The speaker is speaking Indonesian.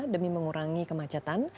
demi mengurangi kemacetan